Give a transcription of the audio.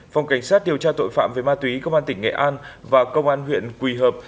phòng cảnh sát điều tra tội phạm về ma túy công an tỉnh nghệ an và công an huyện quỳ hợp